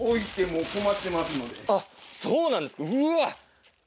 あっそうなんですかうわ！